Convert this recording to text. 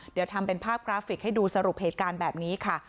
เดี๋ยวทำเป็นภาพกราฟิกให้ดูสรุปเหตุการณ์แบบนี้ค่ะ